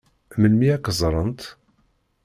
Melmi ad k-ẓṛent?